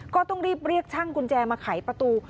ก็ต้องรีบเรียกช่างกุญแจมาไขประตู